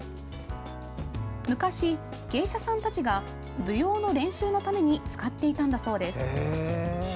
昔、芸者さんたちが舞踊の練習のために使っていたんだそうです。